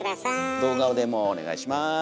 動画でもお願いします。